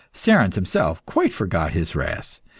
Cerons himself quite forgot his wrath.